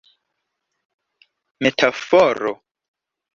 metaforo